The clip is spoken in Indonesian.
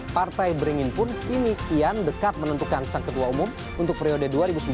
partai beringin pun kini kian dekat menentukan sang ketua umum untuk periode dua ribu sembilan belas dua ribu dua